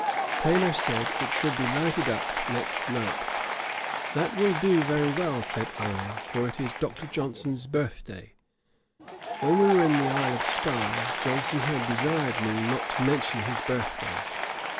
Taylor said, it should be lighted up next night. 'That will do very well, (said I,) for it is Dr. Johnson's birth day.' When we were in the Isle of Sky, Johnson had desired me not to mention his birth day.